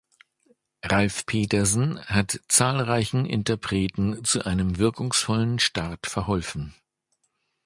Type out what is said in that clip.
Ralf Petersen hat zahlreichen Interpreten zu einem wirkungsvollen Start verholfen.